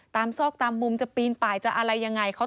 ซอกตามมุมจะปีนไปจะอะไรยังไง